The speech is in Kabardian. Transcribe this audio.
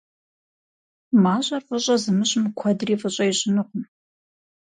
МащӀэр фӀыщӀэ зымыщӀым куэдри фӀыщӀэ ищӀынукъым.